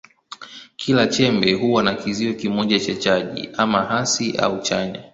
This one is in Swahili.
Kila chembe huwa na kizio kimoja cha chaji, ama hasi au chanya.